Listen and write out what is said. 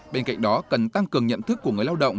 bên cạnh đó cần tăng cường nhận thức của người lao động